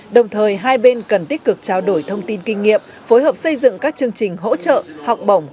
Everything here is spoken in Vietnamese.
đồng thời hai bên cần tích cực trao đổi thông tin kinh nghiệm phối hợp xây dựng các chương trình hỗ trợ học bổng